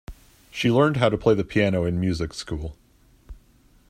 She learned how to play the piano in music school.